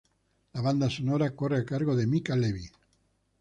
La banda sonora corre a cargo de Mica Levi.